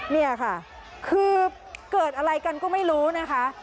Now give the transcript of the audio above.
นี่ค่ะคือเกิดอะไรกันก็ไม่รู้นะคะ